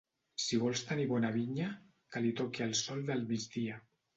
Si vols tenir bona vinya, que li toqui el sol del migdia.